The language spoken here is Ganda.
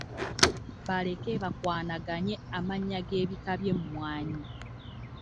Baleke bakwanaganye amannya n’ebika by’emmwanyi.